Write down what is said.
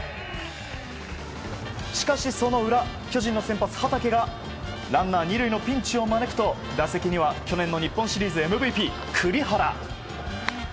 しかし、その裏巨人の先発、畠がランナー２塁のピンチを招くと打席には、去年の日本シリーズＭＶＰ、栗原。